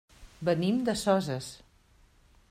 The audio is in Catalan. Venim de Soses.